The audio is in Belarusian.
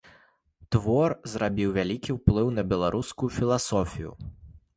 Твор зрабіў вялікі ўплыў на беларускую філасофію.